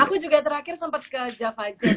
aku juga terakhir sempat ke java jazz